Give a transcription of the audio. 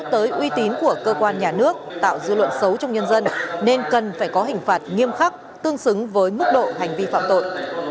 đối với uy tín của cơ quan nhà nước tạo dư luận xấu trong nhân dân nên cần phải có hình phạt nghiêm khắc tương xứng với mức độ hành vi phạm tội